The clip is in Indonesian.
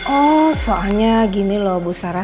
oh soalnya gini loh bu sarah